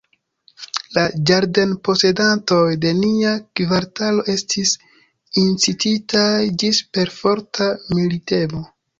La ĝardenposedantoj de nia kvartalo estis incititaj ĝis perforta militemo.